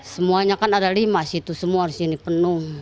semuanya kan ada lima situ semua harus ini penuh